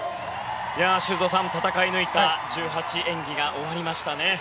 修造さん、戦い抜いた１８演技が終わりました。